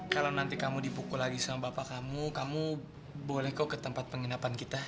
kalau nanti kamu dipukul lagi sama bapak kamu kamu boleh kok ke tempat penginapan kita